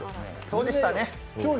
そうでしたね。